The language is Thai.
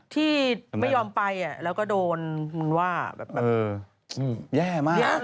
ที่ไม่ยอมไปแล้วก็โดนมึงว่าแบบนั้น